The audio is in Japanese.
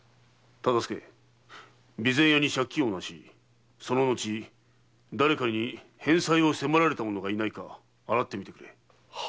備前屋に借金をなしその後誰かに返済を迫られた者がいないか洗ってみてくれ。